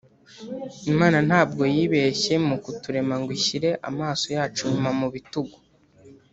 Imana ntabwo yibeshye mu kuturema ngo ishyire amaso yacu inyuma mu bitugu